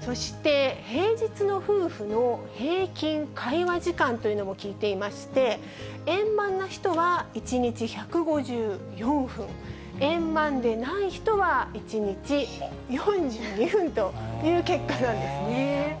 そして、平日の夫婦の平均会話時間というのも聞いていまして、円満な人は、１日１５４分、円満でない人は１日４２分という結果なんですね。